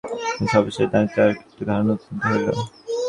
কিন্তু অবশেষে নারীত্বের আর একটি ধারণা উদ্ভূত হইল।